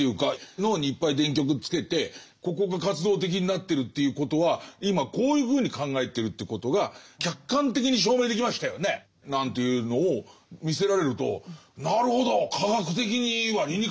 脳にいっぱい電極つけて「ここが活動的になってるということは今こういうふうに考えてるということが客観的に証明できましたよね」なんていうのを見せられるとなるほど科学的には理にかなってる話だって。